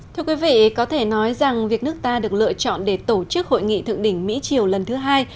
thưa quý vị có thể nói rằng việc nước ta được lựa chọn để tổ chức hội nghị thượng đỉnh mỹ triều lần thứ hai